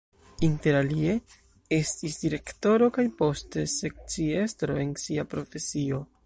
Interalie estis direktoro kaj poste sekciestro en sia profesio.